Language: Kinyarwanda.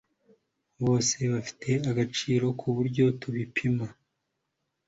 byose bifite agaciro kubyo tubipima